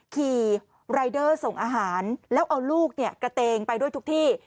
ขี่รายเดอร์ส่งอาหารแล้วเอาลูกเนี่ยกระเตงไปด้วยทุกที่